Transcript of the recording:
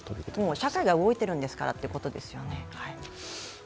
社会が動いているんですからということですよね。